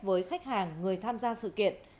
với khách hàng người tham gia sự kiện